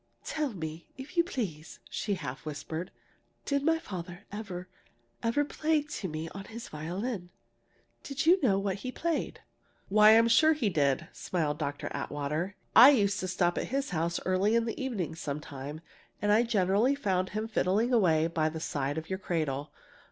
"Tell me, if you please," she half whispered, "did my father ever ever play to me on his violin? Do you know what he played?" "Why, I'm sure he did," smiled Dr. Atwater. "I used to stop at his house early in the evening sometimes, and I generally found him fiddling away by the side of your cradle.